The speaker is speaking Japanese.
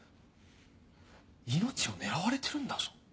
命を狙われてるんだぞ？